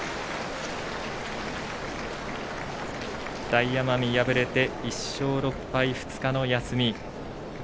大奄美敗れて１勝６敗２日の休み。